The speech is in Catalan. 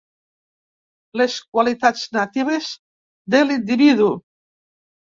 Les qualitats natives de l'individu.